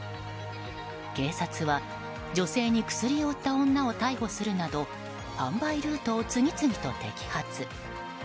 警察は女性に薬を売った女を逮捕するなど販売ルートを次々と摘発。